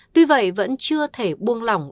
tuy vậy vẫn chưa thể buông lỏng